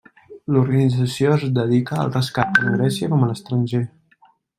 L'organització es dedica al rescat tant a Grècia com a l'estranger.